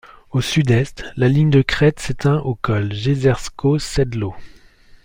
Au sud-est, la ligne de crête s'éteint au col Jezersko sedlo.